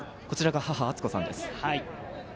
こちらが母・あつこさんです。